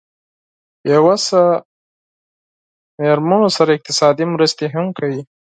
بې وسه مېرمنو سره اقتصادي مرستې هم کوي.